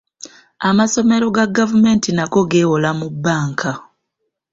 Amasomero ga gavumenti nago geewola mu bbanka.